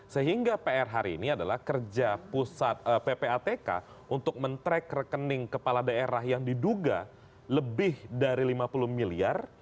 sehingga pr hari ini adalah kerja ppatk untuk men track rekening kepala daerah yang diduga lebih dari lima puluh miliar